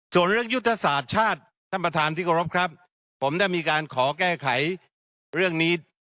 ส่วนเรื่องยุทธศาสตร์ชาติท่านประธานที่กรบครับผมได้มีการขอแก้ไขเรื่องนี้